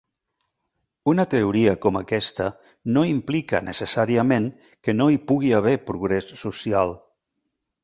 Una teoria com aquesta no implica necessàriament que no hi pugui haver progrés social.